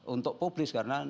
untuk publis karena